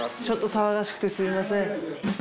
騒がしくてすいません。